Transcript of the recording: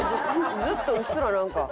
ずっとうっすらなんか。